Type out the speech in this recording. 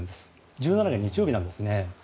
１７が日曜日なんです。